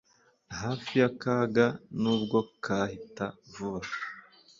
hafi y'akaga, nubwo kahita vuba